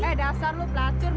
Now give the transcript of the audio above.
eh dasar lo pelan pelan